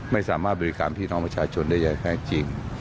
ไม่สามารถบริการพี่น้องประชาชนได้อย่างแท้จริง